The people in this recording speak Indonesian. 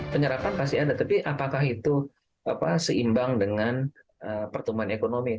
penyerapan pasti ada tapi apakah itu seimbang dengan pertumbuhan ekonomi